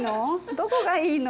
どこがいいの？